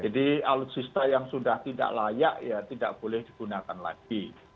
jadi alutsista yang sudah tidak layak ya tidak boleh digunakan lagi